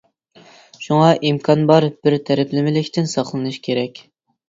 شۇڭا، ئىمكان بار بىر تەرەپلىمىلىكتىن ساقلىنىش كېرەك.